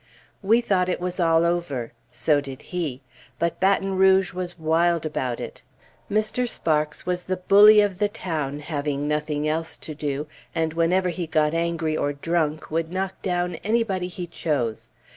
We thought it was all over; so did he. But Baton Rouge was wild about it. Mr. Sparks was the bully of the town, having nothing else to do, and whenever he got angry or drunk, would knock down anybody he chose.